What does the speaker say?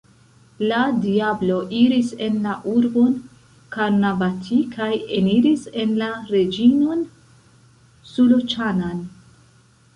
La diablo iris en la urbon Karnavati kaj eniris en la reĝinon Suloĉana'n.